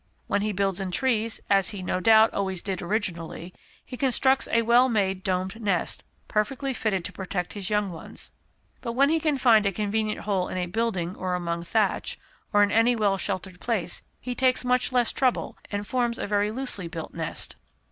When he builds in trees, as he, no doubt, always did originally, he constructs a well made domed nest, perfectly fitted to protect his young ones; but when he can find a convenient hole in a building or among thatch, or in any well sheltered place, he takes much less trouble, and forms a very loosely built nest.